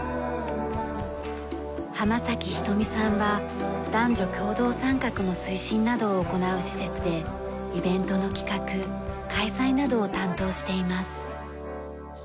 浜崎ひとみさんは男女共同参画の推進などを行う施設でイベントの企画開催などを担当しています。